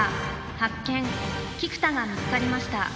菊田が見つかりました。